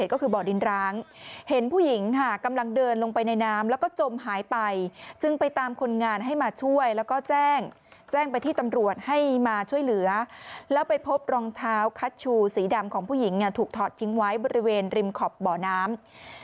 พบรองเท้าคัชชูสีดำของผู้หญิงถูกถอดทิ้งไว้บริเวณริมขอบเบาะน้ำ